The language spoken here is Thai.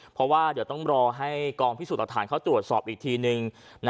เพราะว่าเดี๋ยวต้องรอให้กองพิสูจน์หลักฐานเขาตรวจสอบอีกทีนึง